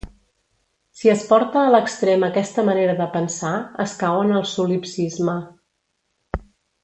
Si es porta a l'extrem aquesta manera de pensar, es cau en el solipsisme.